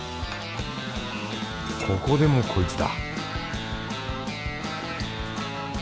ここでもこいつだ